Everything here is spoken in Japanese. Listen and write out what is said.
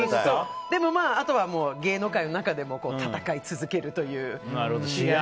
でもあとは、芸能界の中でも戦い続けるという。